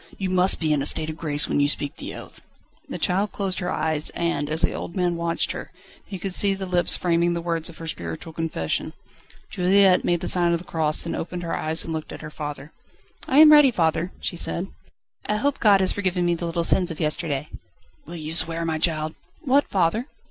You must be in a state of grace when you speak the oath." The child closed her eyes, and as the old man watched her, he could see the lips framing the words of her spiritual confession. Juliette made the sign of the cross, then opened her eyes and looked at her father. "I am ready, father," she said; "I hope God has forgiven me the little sins of yesterday." "Will you swear, my child?" "What, father?"